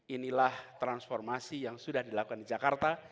inilah transformasi yang sudah dilakukan di jakarta